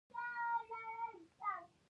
لویانو ته احترام وکړئ